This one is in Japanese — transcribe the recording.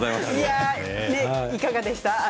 いかがでしたか。